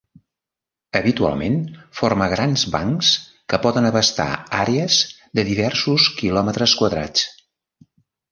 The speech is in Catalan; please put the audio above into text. Habitualment forma grans bancs que poden abastar àrees de diversos kilòmetres quadrats.